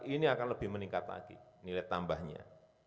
ini akan lebih meningkat lagi nilai tambahnya